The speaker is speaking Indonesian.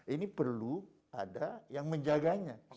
ini perlu ada yang menjaganya